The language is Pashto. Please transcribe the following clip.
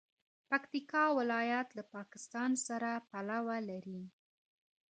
پکتیکا ولایت له پاکستان سره پوله لري.